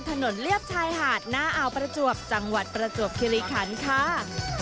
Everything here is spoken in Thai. เลียบชายหาดหน้าอาวประจวบจังหวัดประจวบคิริคันค่ะ